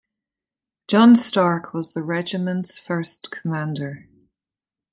John Stark was the regiment's first commander.